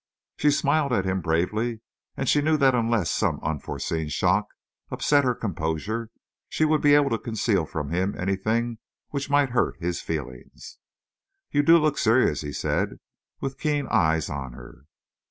She smiled at him bravely, and she knew that unless some unforeseen shock upset her composure, she would be able to conceal from him anything which might hurt his feelings. "You do look serious," he said, with keen eyes on her.